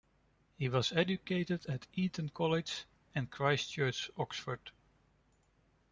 He was educated at Eton College and Christ Church, Oxford.